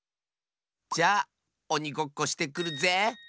じゃおにごっこしてくるぜ！